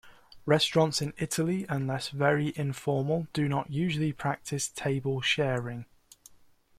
Restaurants in Italy, unless very informal, do not usually practice table sharing.